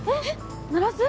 鳴らす？